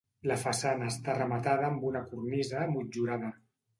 La façana està rematada amb una cornisa motllurada.